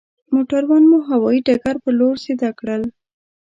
موټران مو هوايي ډګر پر لور سيده کړل.